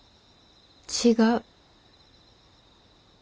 違う。